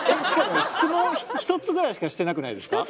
質問１つぐらいしかしてなくないですか？